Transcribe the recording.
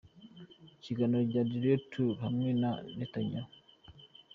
Ikiganiro The Royal Tour hamwe na Netanyahu.